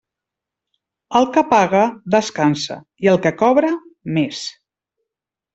El que paga, descansa, i el que cobra, més.